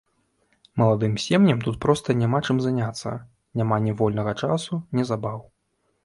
Маладым сем'ям тут проста няма чым заняцца, няма ні вольнага часу, ні забаў.